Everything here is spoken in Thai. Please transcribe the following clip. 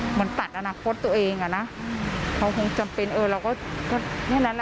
เหมือนตัดอนาคตตัวเองอ่ะนะเขาคงจำเป็นเออเราก็แค่นั้นอ่ะ